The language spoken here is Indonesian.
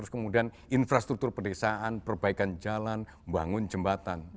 kemudian infrastruktur pedesaan perbaikan jalan membangun jembatan